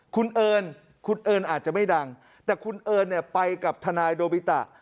คุณเอิญคุณเอิญอาจจะไม่ดังแต่คุณเอิญเนี่ยไปกับทนายโดบิตะ